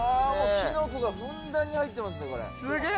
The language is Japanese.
キノコがふんだんに入ってますげえ。